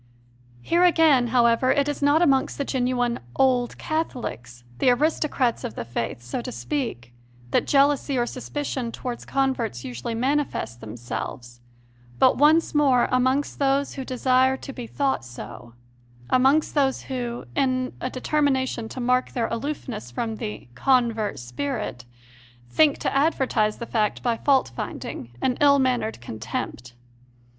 Here, again, however, it is not amongst the genuine "old Catholics " the aristocrats of the Faith, so to speak that jealousy or suspicion towards converts usually manifest themselves, but, once more, amongst those who desire to be thought so amongst those who, in a determination to mark their aloofness from the "convert spirit," think to advertise the fact by fault finding and ill mannered contempt.